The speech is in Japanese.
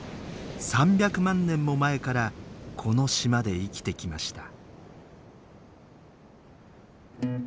３００万年も前からこの島で生きてきました。